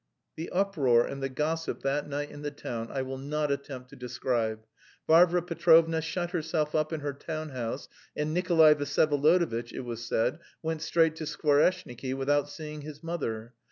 The uproar and the gossip that night in the town I will not attempt to describe. Varvara Petrovna shut herself up in her town house and Nikolay Vsyevolodovitch, it was said, went straight to Skvoreshniki without seeing his mother.